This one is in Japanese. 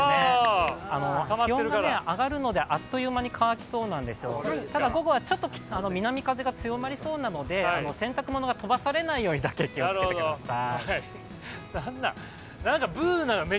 気温が上がるので、あっという間に乾きそうですが、午後は南風が強まりそうなのので、洗濯ものが飛ばされないようにだけ気をつけてください。